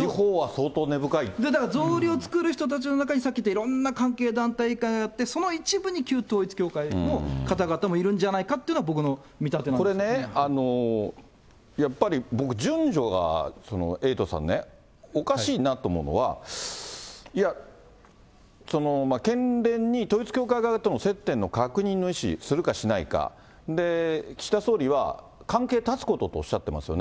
だからぞうりを作る人たちの中に、さっき言ったみたいにいろんな団体委員会があって、その一部に旧統一教会の方々もいるんじゃないかっていうのが僕のこれね、やっぱり僕、順序がエイトさんね、おかしいなと思うのは、県連に統一教会側との接点の確認の意思、するかしないか、岸田総理は、関係断つこととおっしゃってますよね。